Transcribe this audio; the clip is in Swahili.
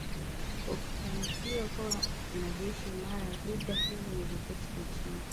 Ukifanikiwa kuwa na jeshi imara vita hiyo ni vyepesi kuishinda